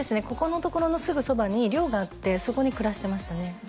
ここの所のすぐそばに寮があってそこに暮らしてましたね